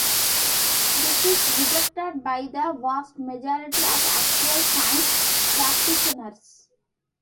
This is rejected by the vast majority of actual science practitioners.